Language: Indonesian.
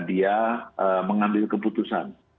dia mengambil keputusan